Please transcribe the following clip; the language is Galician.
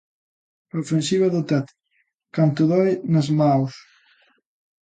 A ofensiva do Tet, canto doe nas maos.